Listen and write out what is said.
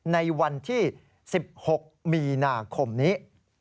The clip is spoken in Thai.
ในวันที่๑๖มีนาคมนี้